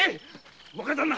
若旦那。